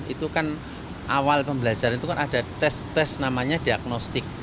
itu kan awal pembelajaran itu kan ada tes tes namanya diagnostik